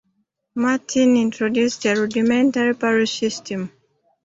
Martin introduced a rudimentary parish system.